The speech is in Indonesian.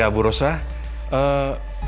tau hampir kita bisa ambil